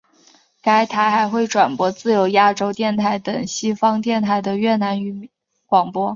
该台还会转播自由亚洲电台等西方电台的越南语广播。